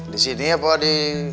di sini apa di